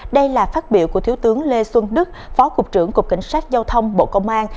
đây là phát biểu của thiếu tướng lê xuân đức phó cục trưởng cục cảnh sát giao thông bộ công an